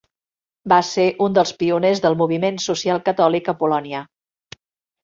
Va ser un dels pioners del moviment socialcatòlic a Polònia.